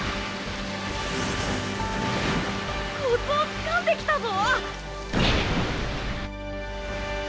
コツをつかんできたぞ！